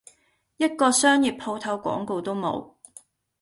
一個商業舖頭廣告都冇!